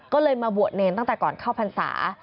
ก็เลยมาบวชเนรตั้งแต่ก่อนเข้าพรรษา